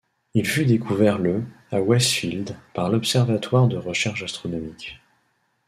Il fut découvert le à Wesfield par l'Observatoire de recherche astronomique.